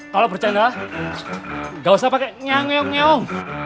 kalau bercanda gak usah pake nyam nyam nyam